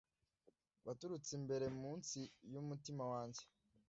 Waturutse imbere munsi yumutima wanjye